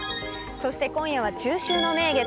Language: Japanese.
そして今夜は中秋の名月。